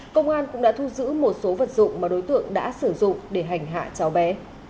công an cũng đã thu giữ một số vật dụng mà đối tượng đã sử dụng để hành hạ cháu bé